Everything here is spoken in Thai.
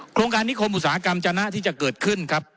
โครงการนิคมอุตสาหกรรมจนะที่จะเกิดขึ้นครับ